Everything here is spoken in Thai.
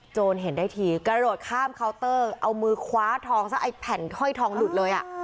โจรเห็นที่กระโดดข้ามเคานเตอร์เอามือคว้าฝั่งทองซะแผ่นห้อยทองหลุดเลยอ่ะ